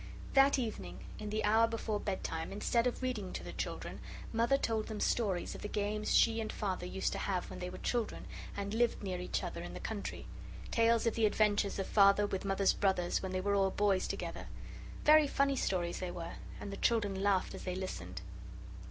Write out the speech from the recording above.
That evening in the hour before bed time instead of reading to the children Mother told them stories of the games she and Father used to have when they were children and lived near each other in the country tales of the adventures of Father with Mother's brothers when they were all boys together. Very funny stories they were, and the children laughed as they listened.